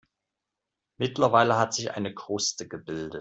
Mittlerweile hat sich eine Kruste gebildet.